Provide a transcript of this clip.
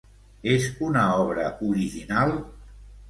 És una obra original?